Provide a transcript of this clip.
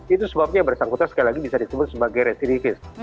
itu sebabnya yang bersangkutan sekali lagi bisa disebut sebagai residivis